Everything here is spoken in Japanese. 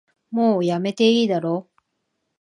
もうやめていいだろ